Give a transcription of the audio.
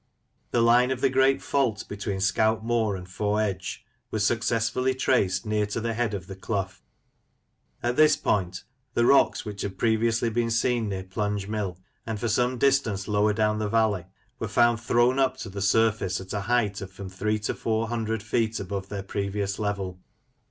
The line of the great " fault " between Scout Moor and Fo' Edge was successfully traced near to the head of the Clough. At this point, the rocks which had previously been seen near Plunge Mill, and for some distance lower down the valley, were found thrown up to the surface, at a height of from three to four hundred feet above their previous level.